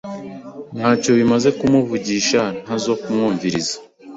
Ntacyo bimaze kumuvugisha. Ntazokwumviriza.